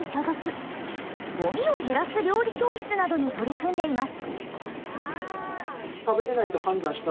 ごみを減らす料理教室などに取り組んでいます。